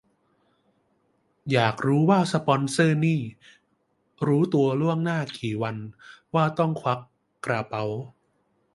อยากรู้ว่าสปอนเซอร์นี่รู้ตัวล่วงหน้ากี่วันว่าต้องควักกระเป๋า